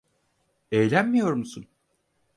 Eğlenmiyor musun?